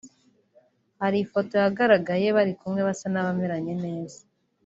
hari ifoto yagaragaye bari kumwe basa n’abameranye neza